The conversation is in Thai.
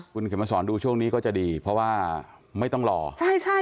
คุณเข็มมาสอนดูช่วงนี้ก็จะดีเพราะว่าไม่ต้องรอใช่ใช่